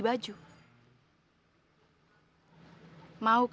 ibu mau mekali mau mencuci baju